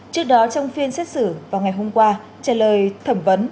trước đó trong phiên xét xử vào ngày hôm qua trả lời thẩm vấn